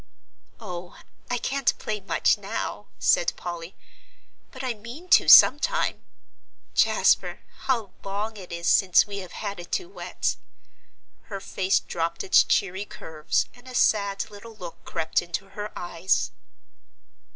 "Oh, I can't play much now," said Polly, "but I mean tot some time. Jasper, how long it is since we have had a duet." Her face dropped its cheery curves and a sad little look crept into her eyes.